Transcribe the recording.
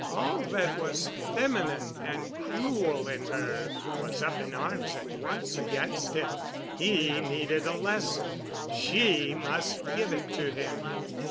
All that was feminine and cruel in her was up in arms at once against him. He needed a lesson. She must give it to him.